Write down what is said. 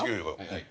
はい。